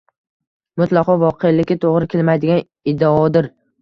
mutlaqo voqelikka to‘g‘ri kelmaydigan iddaodir.